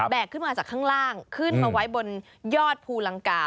ขึ้นมาจากข้างล่างขึ้นมาไว้บนยอดภูลังกา